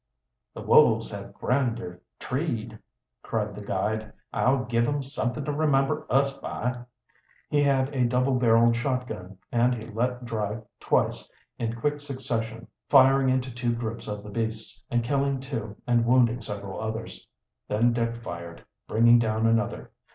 "The wolves have Grinder treed," cried the guide. "I'll give 'em something to remember us by!" He had a double barreled shotgun, and he let drive twice in quick succession, firing into two groups of the beasts, and killing two and wounding several others. Then Dick fired, bringing down another.